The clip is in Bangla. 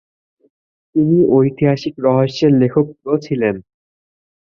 তিনি ঐতিহাসিক রহস্যেরও লেখক ছিলেন।